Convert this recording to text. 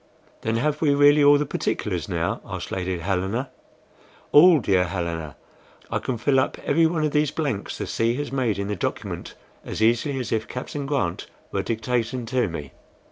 "Then have we really all the particulars now?" asked Lady Helena. "All, dear Helena; I can fill up every one of these blanks the sea has made in the document as easily as if Captain Grant were dictating to me."